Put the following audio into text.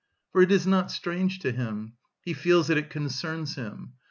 For it is not strange to him; he feels that it concerns him.